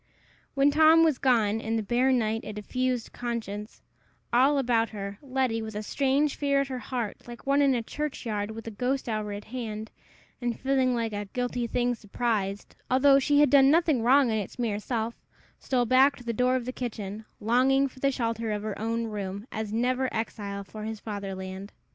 When Tom was gone, and the bare night, a diffused conscience, all about her, Letty, with a strange fear at her heart, like one in a churchyard, with the ghost hour at hand, and feeling like "a guilty thing surprised," although she had done nothing wrong in its mere self, stole back to the door of the kitchen, longing for the shelter of her own room, as never exile for his fatherland.